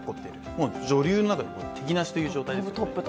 もう女流の中で敵なしという状況です。